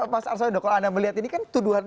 mas arswendo kalau anda melihat ini kan tuduhan